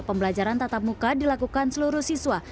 pembelajaran tatap muka dilakukan seluruh siswa